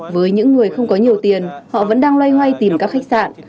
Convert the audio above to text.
với những người không có nhiều tiền họ vẫn đang loay hoay tìm các khách sạn